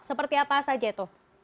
seperti apa saja tuh